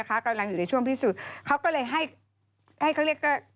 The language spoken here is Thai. เป็นสร้างอะไรคำนำอยู่ในช่วงพิสูจน์เขาก็เลยให้เคล็ดรับนิดนึงช่วงคลายว่า